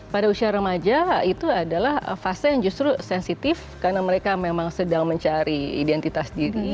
pada usia remaja itu adalah fase yang justru sensitif karena mereka memang sedang mencari identitas diri